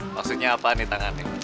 maksudnya apaan nih tangannya hah